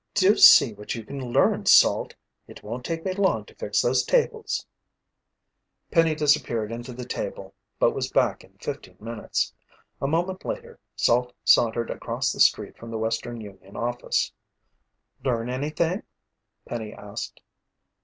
Do see what you can learn, Salt. It won't take me long to fix those tables." Penny disappeared into the hotel but was back in fifteen minutes. A moment later, Salt sauntered across the street from the Western Union office. "Learn anything?" Penny asked.